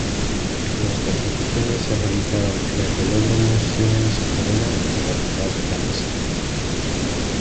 Las competiciones se realizaron en el velódromo Siemens Arena de la ciudad danesa.